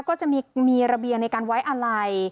ก็จะมีระเบียงในการไว้อะไร